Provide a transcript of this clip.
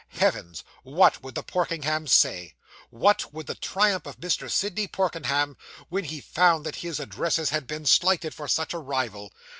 Heavens! what would the Porkenhams say! What would be the triumph of Mr. Sidney Porkenham when he found that his addresses had been slighted for such a rival!